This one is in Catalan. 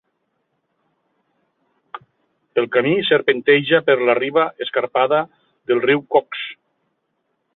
El camí serpenteja per la riba escarpada del riu Coxs.